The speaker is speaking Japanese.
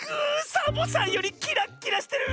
サボさんよりキラッキラしてる！